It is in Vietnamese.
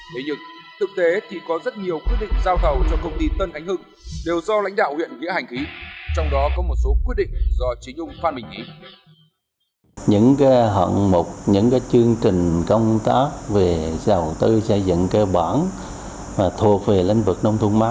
thế nhưng thực tế thì có rất nhiều quyết định giao thầu cho công ty tân khánh hưng